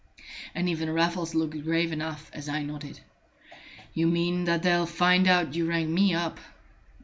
And even Raffles looked grave enough as I nodded. "You mean that they'll find out you rang me up?"